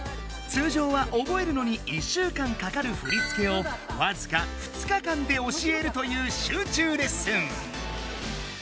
通じょうはおぼえるのに１週間かかる振り付けをわずか２日間で教えるという集中レッスン！